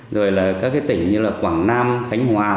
rồi các tỉnh như quảng nam khánh hòa